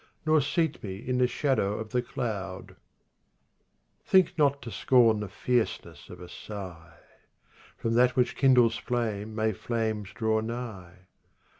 Nor seat me in the shadow of the cloud I 17 Think not to scorn the fierceness of a sigh. From that which kindles flame may flames draw nigh.